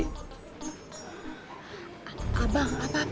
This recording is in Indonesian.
temen sekolahnya tati yang katanya lo sering deketin tati